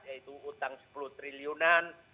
yaitu utang sepuluh triliunan